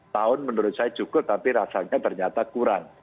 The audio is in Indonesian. tahun menurut saya cukup tapi rasanya ternyata kurang